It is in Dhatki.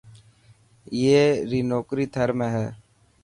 اي ري نوڪري ٿر ۾ هي.